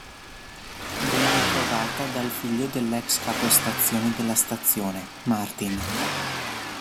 Viene trovata dal figlio dell'ex capostazione della stazione, Martin.